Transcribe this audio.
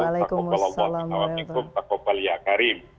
waalaikumsalam warahmatullahi wabarakatuh